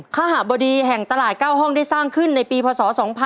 ค่าหบดีแห่งตลาดเก้าห้องได้สร้างขึ้นในปีพศ๒๔๗๗